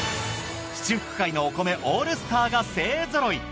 七福会のお米オールスターが勢ぞろい。